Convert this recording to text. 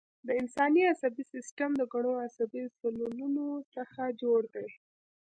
د انسان عصبي سیستم د ګڼو عصبي سلولونو څخه جوړ دی